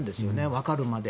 わかるまで。